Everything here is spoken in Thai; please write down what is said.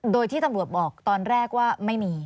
โดยที่ตำรวจบอกตอนแรกว่าไม่มี